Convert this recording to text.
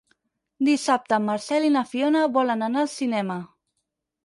Dissabte en Marcel i na Fiona volen anar al cinema.